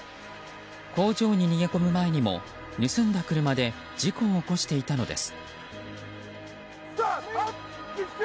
工場に逃げ込む前にも盗んだ車で事故を起こしていたのです。